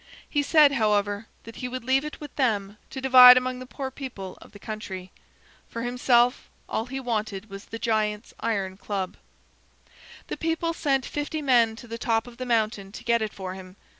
He said, however, that he would leave it with them to divide among the poor people of the country. For himself, all he wanted was the giant's iron club. The people sent fifty men to the top of the mountain to get it for him.